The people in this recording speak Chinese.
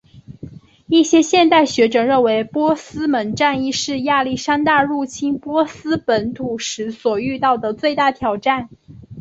一些现代学者认为波斯门战役是亚历山大入侵波斯本土时所遇到的最大挑战。